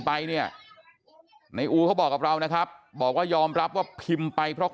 ไปเนี่ยในอูเขาบอกกับเรานะครับบอกว่ายอมรับว่าพิมพ์ไปเพราะ